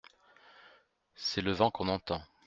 C’est le vent qu’on entend.